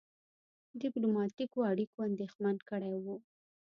ډيپلوماټیکو اړیکو اندېښمن کړی وو.